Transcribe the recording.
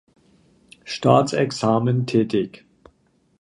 Staatsexamen tätig.